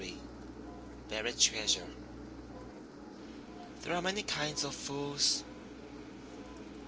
BURIED TREASURE There are many kinds of fools.